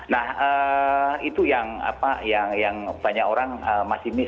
nah itu yang apa yang banyak orang masih miss